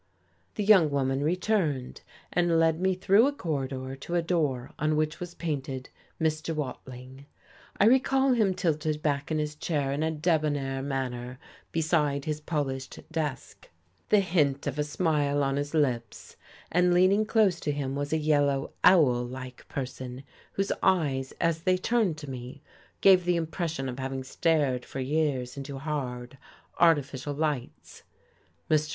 The young woman returned, and led me through a corridor to a door on which was painted Mr. Wailing. I recall him tilted back in his chair in a debonnair manner beside his polished desk, the hint of a smile on his lips; and leaning close to him was a yellow, owl like person whose eyes, as they turned to me, gave the impression of having stared for years into hard, artificial lights. Mr.